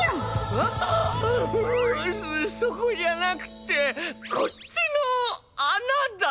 まずそこじゃなくてこっちの穴だ。